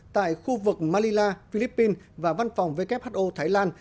tại khu vực malila philippines và văn phòng who thái lan